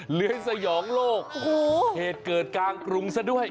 เหลือยนสยองโลกเหตุเกิดกลางกรุงซะด้วย